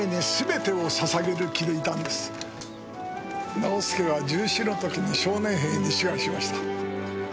直輔は１４の時に少年兵に志願しました。